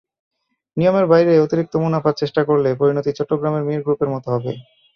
নিয়মের বাইরে অতিরিক্ত মুনাফার চেষ্টা করলে পরিণতি চট্টগ্রামের মীর গ্রুপের মতো হবে।